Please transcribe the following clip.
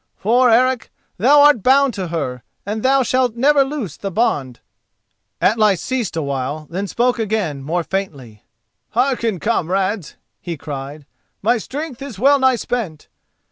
For, Eric, thou art bound to her, and thou shalt never loose the bond!" Atli ceased a while, then spoke again more faintly: "Hearken, comrades," he cried; "my strength is well nigh spent.